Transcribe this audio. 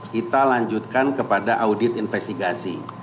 kita lanjutkan kepada audit investigasi